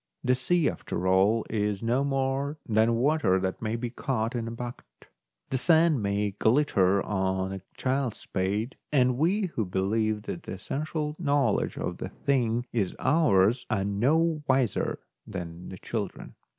The sea, after all, is no more than water that may be caught in a bucket ; the sand may glitter on a child's spade, and we who believe that the essential knowledge of the thing is ours are no wiser than the children.